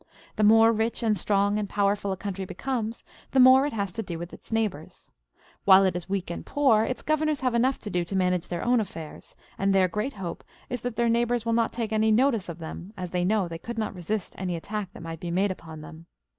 The more rich and strong and powerful* a country becomes, the more it has to do with its neighbours. While it is weak and poor, its/ governors have enough to do to manage their own affairs, and their great hope is that their neighbours will not take any notice of them, as they know they could not resist any attack that might be made upon them.